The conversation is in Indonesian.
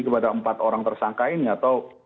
kepada empat orang tersangka ini atau